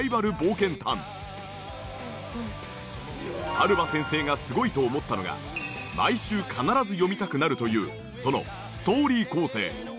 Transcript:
春場先生がすごいと思ったのが毎週必ず読みたくなるというそのストーリー構成。